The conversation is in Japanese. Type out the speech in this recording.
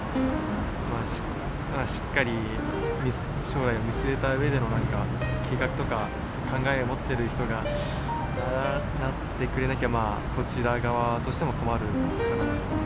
しっかり将来を見据えたうえでの計画とか考えを持っている人がなってくれなきゃこちら側としても困るかなと。